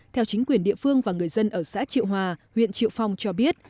theo chính quyền địa phương và người dân ở xã triệu hòa huyện triệu phong cho biết